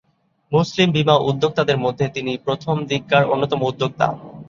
মুসলিম বীমা উদ্যোক্তাদের মধ্যে তিনি প্রথমদিককার অন্যতম উদ্যোক্তা।